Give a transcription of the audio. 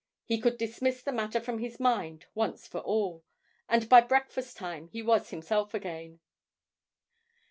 He could dismiss the matter from his mind once for all, and by breakfast time he was himself again.